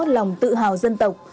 lòng tự hào dân tộc